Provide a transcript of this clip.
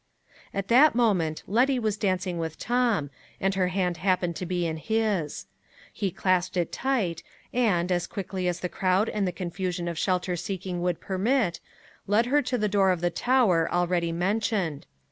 At that moment, Letty was dancing with Tom, and her hand happened to be in his. He clasped it tight, and, as quickly as the crowd and the confusion of shelter seeking would permit, led her to the door of the tower already mentioned.